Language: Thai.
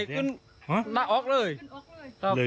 เห็นเห็น